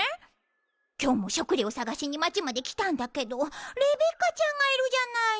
今日も食料探しに町まで来たんだけどレベッカちゃんがいるじゃないの。